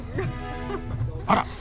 あら！